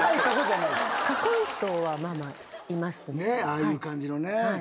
ああいう感じのね。